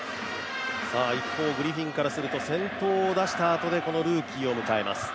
グリフィンからすると先頭を出したあとこの打者を迎えます。